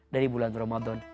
dari bulan ramadan